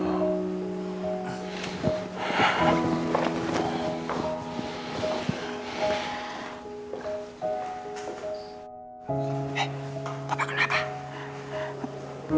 eh bapak kenapa